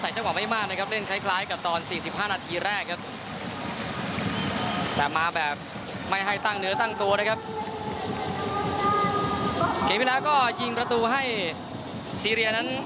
สรีเอียนนั้นไล่ถ่ายมาเป็นหนึ่งต่อสองนะครับดูครับ